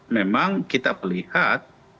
memang kita melihat